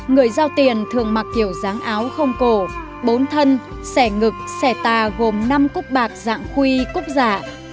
người giao tiền thường mặc kiểu dáng áo không cổ bốn thân sẻ ngực xẻ tà gồm năm cúc bạc dạng khuy cúc giả